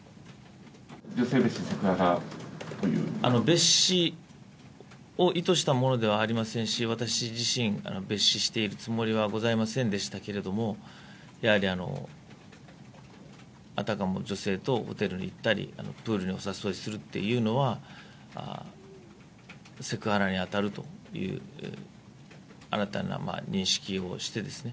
女性蔑視、蔑視を意図したものではありませんし、私自身、蔑視しているつもりはございませんでしたけれども、やはりあたかも女性とホテルに行ったり、プールにお誘いするっていうのは、セクハラに当たるという新たな認識をしてですね。